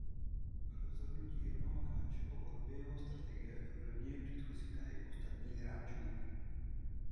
Rozhodnutí jednoho hráče o volbě jeho strategie ovlivňují předchozí tahy ostatních hráčů.